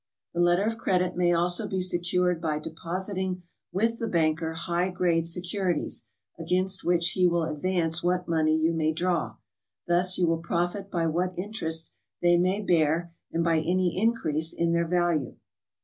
The letter of credit may also be secured by depositing with the banker high grade securities, against which he will advance what money you may draw. Thus you will profit by what interest they may bear, and by any increase in their value.